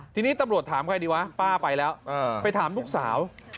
ทีนี้ตำรวจถามใครดีวะป้าไปแล้วไปถามลูกสาว